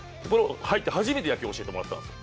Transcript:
入って初めて野球教えてもらったんですよ。